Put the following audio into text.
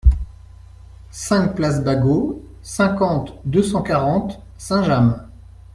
cinq place Bagot, cinquante, deux cent quarante, Saint-James